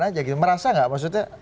aja gitu merasa nggak maksudnya